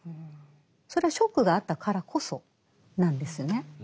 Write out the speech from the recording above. それはショックがあったからこそなんですよね。